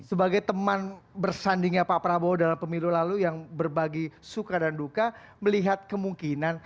sebagai teman bersandingnya pak prabowo dalam pemilu lalu yang berbagi suka dan duka melihat kemungkinan